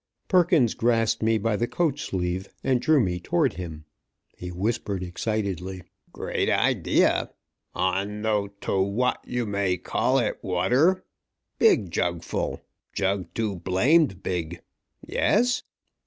Perkins grasped me by the coat sleeve, and drew me toward him. He whispered excitedly. "Great idea! O no to what you may call it water. Big jug full. Jug too blamed big. Yes?